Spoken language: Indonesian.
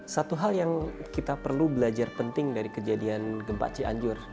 satu hal yang kita perlu belajar penting dari kejadian gempa cianjur